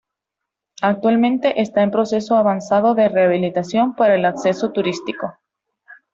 Actualmente está en proceso avanzado de rehabilitación para el acceso turístico.